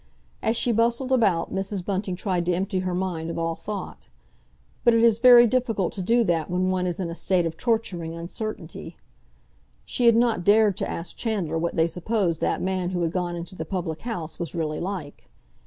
As she bustled about Mrs. Bunting tried to empty her mind of all thought. But it is very difficult to do that when one is in a state of torturing uncertainty. She had not dared to ask Chandler what they supposed that man who had gone into the public house was really like.